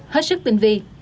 hết sức tinh vi